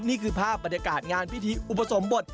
นี่คือภาพบรรยากาศงานพิธีอุปสมบท